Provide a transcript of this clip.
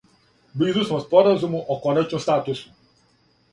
Близу смо споразума о коначном статусу.